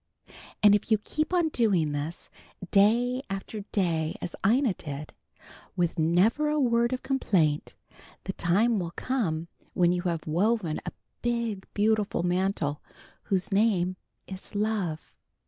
And if you keep on doing this, day after day as Ina did, with never a word of complaint, the time will come when you have woven a big, beautiful mantle whose name is love.